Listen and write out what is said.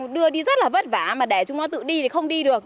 đưa đi rất là vất vả mà để chúng nó tự đi thì không đi được